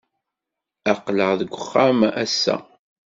Aql-aɣ deg uxxam ass-a.